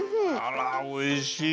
おいしい！